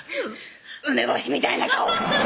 「梅干しみたいな顔！」